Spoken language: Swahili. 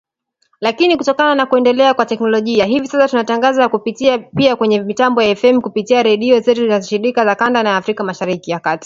Lakini kutokana na kuendelea kwa teknolojia hivi sasa tunatangaza kupitia pia kwenye mitambo ya FM kupitia redio zetu shirika za kanda ya Afrika Mashariki na Kati.